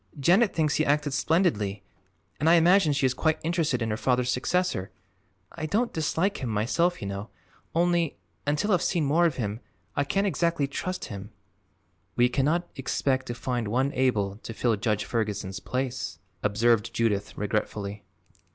Janet thinks he acted splendidly and I imagine she is quite interested in her father's successor. I don't dislike him, myself, you know; only, until I've seen more of him, I can't exactly trust him." "We cannot expect to find one able to fill Judge Ferguson's place," observed Judith regretfully.